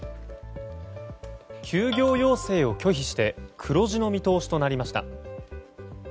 休業要請を拒否して黒字の見通しとなりました。